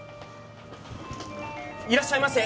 いらっしゃいませ！